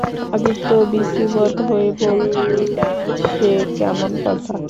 আদিত্য বিসিমত হয়ে বললে, সে কেমন কথা।